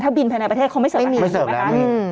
ถ้าบินไปอ่านประเทศเขาไม่เสิร์ฟอาหาร